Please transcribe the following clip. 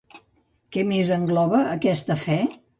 Què més engloba aquesta fe?